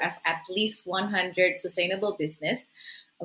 sekitar seratus bisnis kesehatan